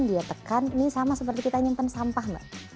dia tekan ini sama seperti kita nyimpan sampah mbak